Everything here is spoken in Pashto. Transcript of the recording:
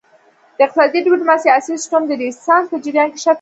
د اقتصادي ډیپلوماسي عصري سیسټم د رینسانس په جریان کې شکل واخیست